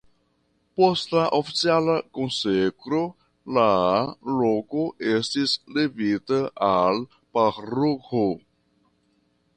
Post la oficiala konsekro la loko estis levita al paroĥo.